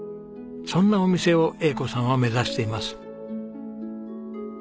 そんなお店を栄子さんは目指しています。